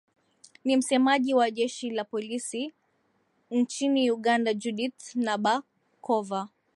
ni msemaji wa jeshi la polisi nchini uganda judith nabakova